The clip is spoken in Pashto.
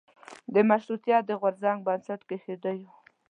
د مشروطیت د غورځنګ بنسټ کېښودیو.